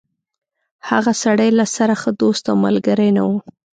هغه سړی له سره ښه دوست او ملګری نه و.